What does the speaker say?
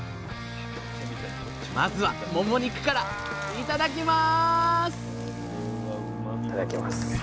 まずはもも肉から頂きます！